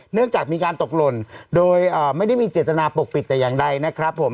เนื่องจากมีการตกหล่นโดยไม่ได้มีเจตนาปกปิดแต่อย่างใดนะครับผม